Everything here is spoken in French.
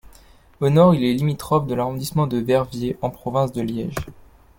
Au nord il est limitrophe de l’arrondissement de Verviers en province de Liège.